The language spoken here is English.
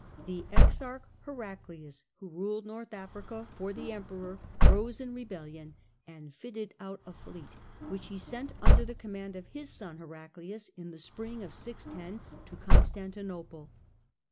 The exarch Heraclius, who ruled North Africa for the Emperor, rose in rebellion, and fitted out a fleet, which he sent under the command of his son, Heraclius, in the spring of 610, to Constan tinople.